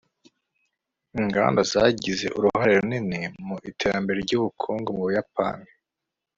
Inganda zagize uruhare runini mu iterambere ryubukungu mu Buyapani